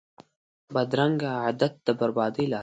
بدرنګه عادت د بربادۍ لاره ده